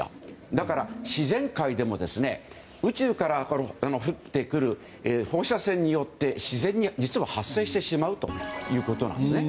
だから、自然界でも宇宙から降ってくる放射線によって自然に発生してしまうことなんですね。